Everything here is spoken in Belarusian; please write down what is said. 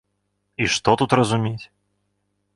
І што тут разумець.